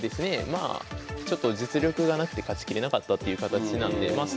まあちょっと実力がなくて勝ちきれなかったっていう形なのでまあ